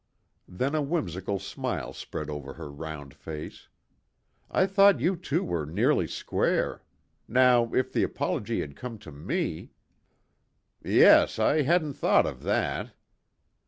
Then a whimsical smile spread over her round face. "I thought you two were nearly square. Now, if the apology had come to me " "Yes, I hadn't thought of that."